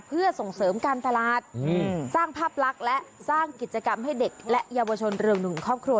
เพื่อส่งเสริมการตลาดสร้างภาพลักษณ์และสร้างกิจกรรมให้เด็กและเยาวชนเรืองหนึ่งครอบครัว